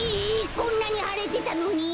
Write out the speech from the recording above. こんなにはれてたのに？